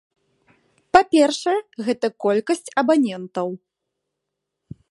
Па-першае, гэта колькасць абанентаў.